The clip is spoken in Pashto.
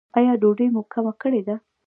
ایا ډوډۍ مو کمه کړې ده؟